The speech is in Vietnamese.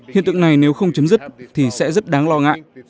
hiện tượng này nếu không chấm dứt thì sẽ rất đáng lo ngại